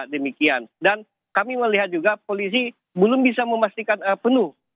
dan kami melihat juga polisi belum bisa memastikan penuh